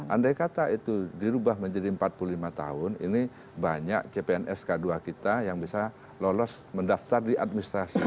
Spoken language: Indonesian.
andai kata itu dirubah menjadi empat puluh lima tahun ini banyak cpns k dua kita yang bisa lolos mendaftar di administrasi